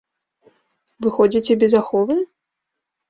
Вы ходзіце без аховы?